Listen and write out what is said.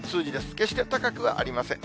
決して高くはありません。